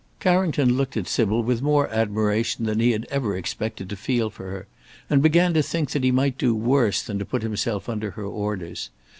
Carrington looked at Sybil with more admiration than he had ever expected to feel for her, and began to think that he might do worse than to put himself under her orders.